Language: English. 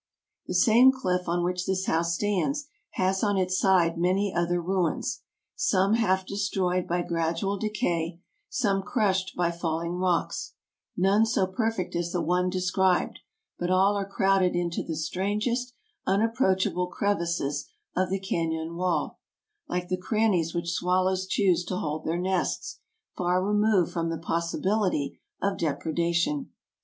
The same cliff on which this house stands has on its side many other ruins ; some half destroyed by gradual decay, some crushed by falling rocks, none so perfect as the one described ; but all are crowded into the strangest unapproach able crevices of the canon wall, like the crannies which swallows choose to hold their nests, far removed from the possibility of depredation.